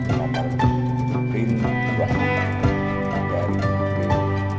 pemaparan pin buah anak jari buah jari dan selanjutnya